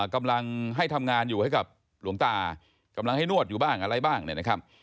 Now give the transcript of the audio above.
กำลังให้ทำงานอยู่ให้กับหลวงตากำลังให้นวดอยู่บ้างอะไรบ้างเนี่ยนะครับ